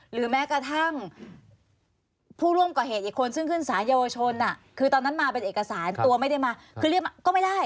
หรือแม้กระทั่งผู้ร่วมก่อเหตุอีกคนซึ่งขึ้นสารเยาวชนคือตอนนั้นมาเป็นเอกสารตัวไม่ได้มาคือเรียกมาก็ไม่ได้